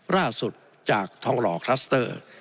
ล่าสุดจากทองหล่อคลัสเตอร์